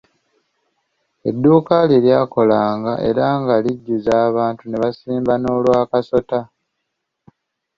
Edduuka lye lyakolanga era nga lijjuza abantu ne basimba n'olw'akasota.